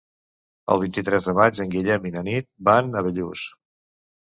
El vint-i-tres de maig en Guillem i na Nit van a Bellús.